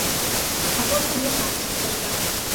А потым я сам ужо не пажадаў.